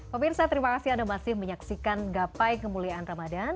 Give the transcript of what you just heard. pemirsa terima kasih anda masih menyaksikan gapai kemuliaan ramadhan